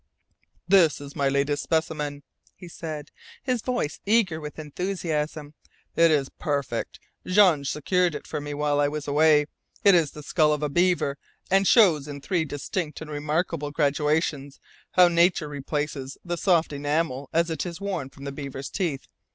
"This is my latest specimen," he said, his voice eager with enthusiasim. "It is perfect. Jean secured it for me while I was away. It is the skull of a beaver, and shows in three distinct and remarkable gradations how nature replaces the soft enamel as it is worn from the beaver's teeth.